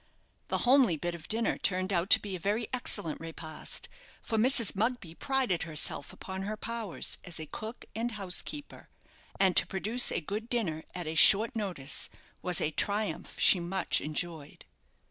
The homely bit of dinner turned out to be a very excellent repast; for Mrs. Mugby prided herself upon her powers as a cook and housekeeper, and to produce a good dinner at a short notice was a triumph she much enjoyed.